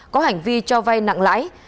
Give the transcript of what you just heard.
có hành vi cho vay nặng lãi